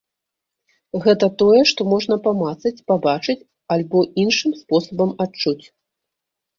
Гэта тое, што можна памацаць, пабачыць альбо іншым спосабам адчуць.